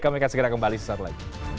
kami akan segera kembali sesaat lagi